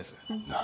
何！？